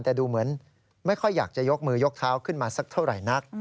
แต่ดูเหมือนไม่ค่อยอยากจะยกมือยกเท้าขึ้นมาสักเท่าไหร่นัก